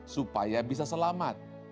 supaya bisa selamat